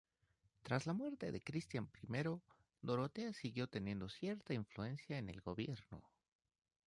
Tras la muerte de Cristián I, Dorotea siguió teniendo cierta influencia en el gobierno.